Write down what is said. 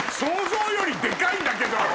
想像よりでかいんだけど！